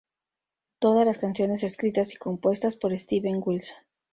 Todas las canciones escritas y compuestas por Steven Wilson.